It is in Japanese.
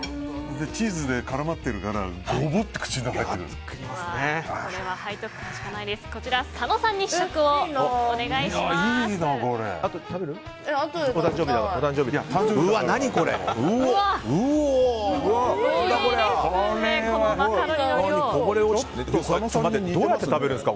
チーズで絡まってるからこちら佐野さんに試食をお願いします。